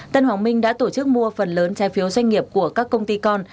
tân hoàng minh đã tổ chức mua phần lớn trái phiếu doanh nghiệp của các công ty con